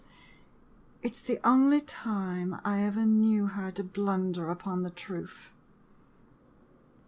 It 's the only time I ever knew her to blunder upon the truth.